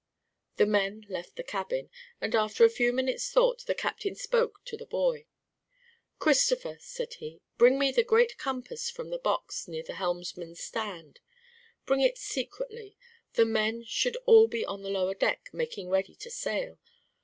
The men left the cabin, and after a few minutes' thought the captain spoke to the boy. "Christopher," said he, "bring me the great compass from its box near the helmsman's stand. Bring it secretly. The men should all be on the lower deck making ready to sail.